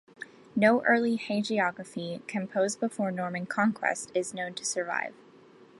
No early hagiography, composed before Norman Conquest, is known to survive.